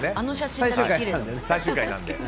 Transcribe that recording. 最終回なんでね。